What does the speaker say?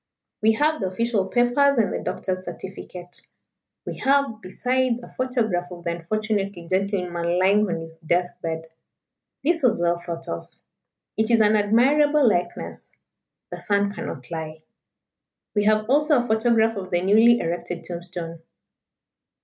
We have the official papers, and the doctor's certificate. We have, besides, a photograph of the unfortunate gentleman lying on his death bed this was well thought of: it is an admirable likeness the sun cannot lie we have also a photograph of the newly erected tombstone.